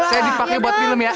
saya dipakai buat film ya